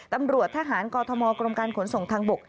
ตำรวจทหารกอทมกรมการขนส่งทางบก